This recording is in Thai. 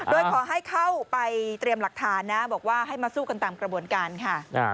โดยขอให้เข้าไปเตรียมหลักฐานนะบอกว่าให้มาสู้กันตามกระบวนการค่ะ